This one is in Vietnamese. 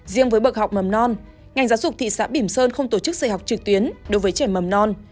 riêng với bậc học mầm non ngành giáo dục thị xã bỉm sơn không tổ chức dạy học trực tuyến đối với trẻ mầm non